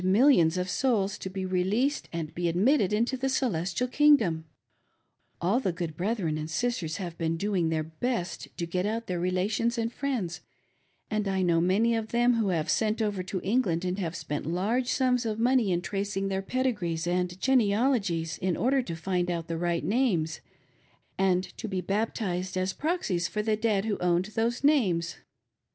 mil lions of souls to be released and be admitted into the Celestial King dom. All the good brethren and sisters have been doing their best to get out their relations and friends, arid I know many of them who have sent over to England and have spent large sums of money in tracing their pedigrees and genealogies, in order to find out the right names and to be baptized as prox ies for the dead who owned those names.